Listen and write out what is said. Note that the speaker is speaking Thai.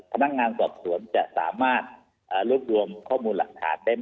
และก็สปอร์ตเรียนว่าคำน่าจะมีการล็อคกรมการสังขัดสปอร์ตเรื่องหน้าในวงการกีฬาประกอบสนับไทย